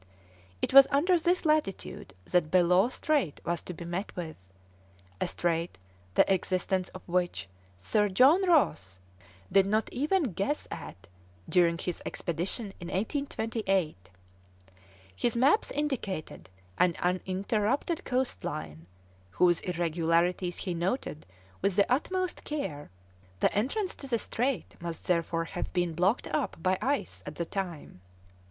It was under this latitude that Bellot Strait was to be met with; a strait the existence of which Sir John Ross did not even guess at during his expedition in 1828; his maps indicated an uninterrupted coast line, whose irregularities he noted with the utmost care; the entrance to the strait must therefore have been blocked up by ice at the time.